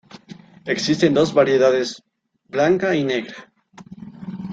Existen dos variedades blanca y negra.